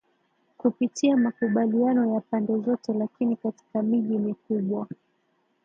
kupitia makubaliano ya pande zote Lakini katika miji mikubwa